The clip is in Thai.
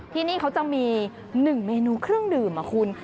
ที่นี่เขาจะมีหนึ่งเมนูเครื่องดื่มเหรอคุณ